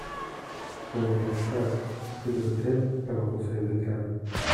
Remontez à cheval, sortez de l'hôtel avant qu'on ne se lève de table.